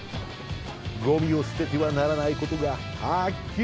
ゴミをすててはならないことがはっきりとわかる。